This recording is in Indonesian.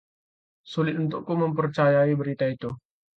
Sulit untukku mempercayai berita itu.